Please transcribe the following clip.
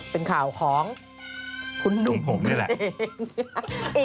เป็นข่าวของคุณหนุ่มหนูเองหนุ่มผมด้วยแหละ